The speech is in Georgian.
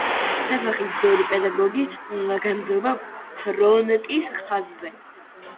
სასახლის ბევრი პედაგოგი გაემგზავრა ფრონტის ხაზზე.